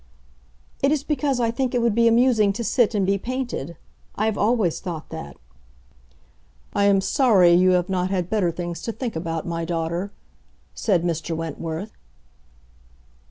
"It is because I think it would be amusing to sit and be painted. I have always thought that." "I am sorry you have not had better things to think about, my daughter," said Mr. Wentworth.